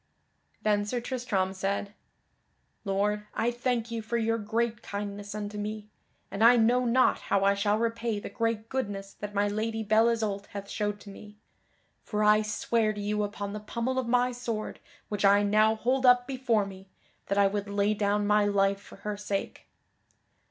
Then Sir Tristram said: "Lord, I thank you for your great kindness unto me, and I know not how I shall repay the great goodness that my Lady Belle Isoult hath showed to me. For I swear to you upon the pommel of my sword which I now hold up before me that I would lay down my life for her sake.